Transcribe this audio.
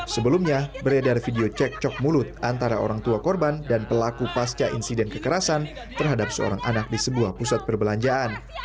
sebelumnya beredar video cek cok mulut antara orang tua korban dan pelaku pasca insiden kekerasan terhadap seorang anak di sebuah pusat perbelanjaan